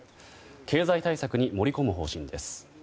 経済対策に盛り込む方針です。